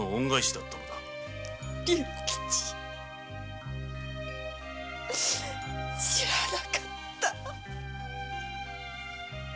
竜吉知らなかった。